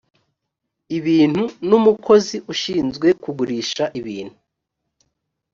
ibintu n umukozi ushinzwe kugurisha ibintu